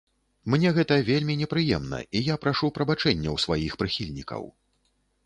Мне гэта вельмі непрыемна, і я прашу прабачэння ў сваіх прыхільнікаў!